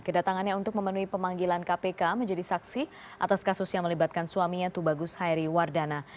kedatangannya untuk memenuhi pemanggilan kpk menjadi saksi atas kasus yang melibatkan suaminya tubagus hairi wardana